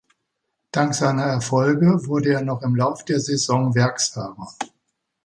Dank seiner Erfolge wurde er noch im Laufe der Saison Werksfahrer.